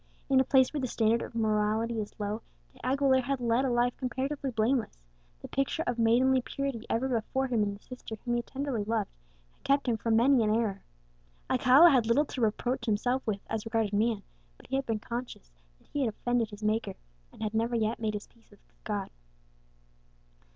In a place where the standard of morality is low, De Aguilera had led a life comparatively blameless; the picture of maidenly purity ever before him in the sister whom he tenderly loved, had kept him from many an error. Alcala had little to reproach himself with as regarded man, but he had become conscious that he had offended his Maker, and had never yet made his peace with his God.